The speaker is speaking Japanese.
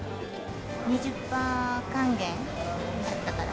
２０％還元だったから。